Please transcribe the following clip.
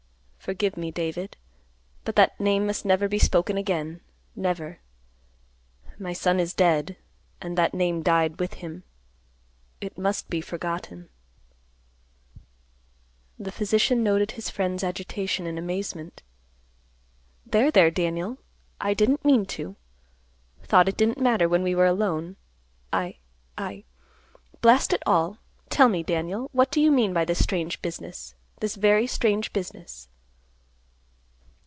"Forgive me, David. But that name must never be spoken again, never. My son is dead, and that name died with him. It must be forgotten." The physician noted his friend's agitation in amazement. "There, there, Daniel. I didn't mean to. Thought it didn't matter when we were alone. I—I—Blast it all! Tell me Daniel, what do you mean by this strange business, this very strange business?"